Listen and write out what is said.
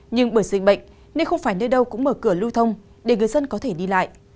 nhưng bởi dịch bệnh nên không phải nơi đâu cũng mở cửa lưu thông để người dân có thể đi lại